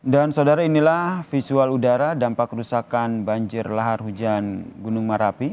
dan sodara inilah visual udara dampak kerusakan banjir lar hujan gunung marapi